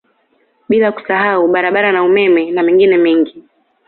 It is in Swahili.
Bila kusahau barabara na umeme na mengine mengi